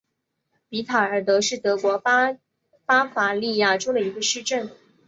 比塔尔德是德国巴伐利亚州的一个市镇。